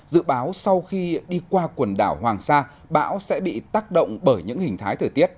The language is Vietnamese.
dự báo sau khi đi qua quần đảo hoàng sa bão sẽ bị tác động bởi những hình thái thời tiết